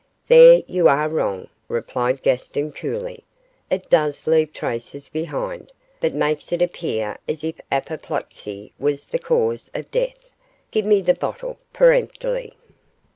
'There you are wrong,' replied Gaston, coolly; 'it does leave traces behind, but makes it appear as if apoplexy was the cause of death. Give me the bottle?' peremptorily.